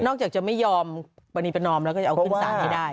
จากจะไม่ยอมปรณีประนอมแล้วก็จะเอาขึ้นสารให้ได้